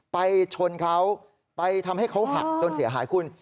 ไปชนเขาไปทำให้เขาหักจนเสียหายคุณ